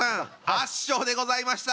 圧勝でございました。